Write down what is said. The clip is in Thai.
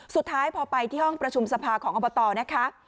สุดท้ายพอไปที่ห้องประชุมสภาของอบตนะคะ